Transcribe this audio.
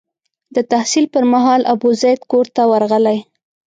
د تحصیل پر مهال ابوزید کور ته ورغلی.